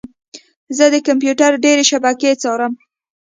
زه د کمپیوټر ډیرې شبکې څارم.